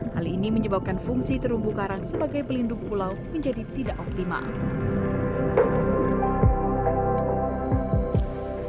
hal ini menyebabkan fungsi terumbu karang sebagai pelindung pulau menjadi tidak optimal